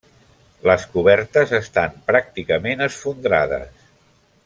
Les cobertes estan pràcticament esfondrades.